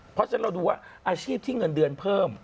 เพราะฉะนั้นเราดูว่าอาชีพที่เงินเดือนเพิ่ม